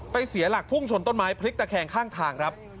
เสียหลักพุ่งชนต้นไม้พลิกตะแคงข้างทางครับ